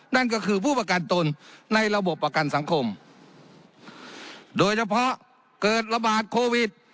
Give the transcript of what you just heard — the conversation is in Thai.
นั่นก็คือผู้ประกันตนในระบบประกันสังคมโดยเฉพาะเกิดระบาดโควิด